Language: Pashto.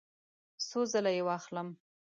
څو ځله یی واخلم؟